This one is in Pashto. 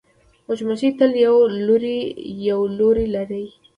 مچمچۍ تل یو لوری لري